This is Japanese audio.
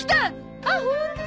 あっホント！